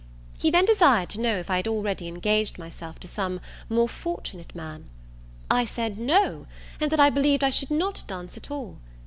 He then desired to know if I had already engaged myself to some more fortunate man? I said No, and that I believed I should not dance at all.